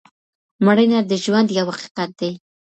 مړینه د ژوند یو حقیقت دی.